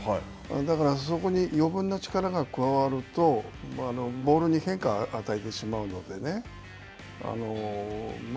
だから、そこに余分な力加わると、ボールに変化を与えてしまうのでね。